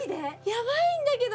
やばいんだけど！